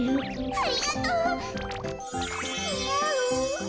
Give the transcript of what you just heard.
ありがとう。にあう？